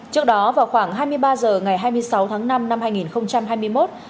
trước đó vào khoảng hai mươi ba h ngày hai mươi sáu tháng năm năm hai nghìn hai mươi một